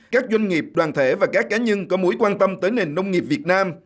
các doanh nghiệp đoàn thể và các cá nhân có mối quan tâm tới nền nông nghiệp việt nam